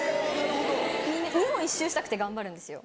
みんな日本一周したくて頑張るんですよ。